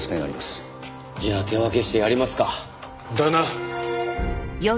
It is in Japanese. じゃあ手分けしてやりますか。だな。